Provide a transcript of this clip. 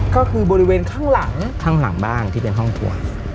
ก็คือบริเวณข้างหลังข้างหลังบ้างที่เป็นห้องครัว